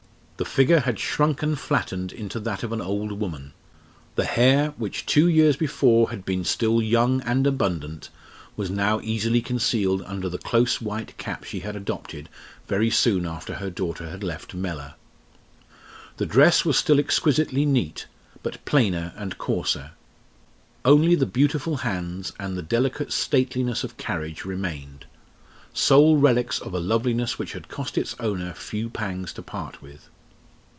The figure had shrunk and flattened into that of an old woman; the hair, which two years before had been still young and abundant, was now easily concealed under the close white cap she had adopted very soon after her daughter had left Mellor. The dress was still exquisitely neat; but plainer and coarser. Only the beautiful hands and the delicate stateliness of carriage remained sole relics of a loveliness which had cost its owner few pangs to part with.